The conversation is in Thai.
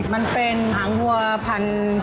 มันเป็นหางวัวพัน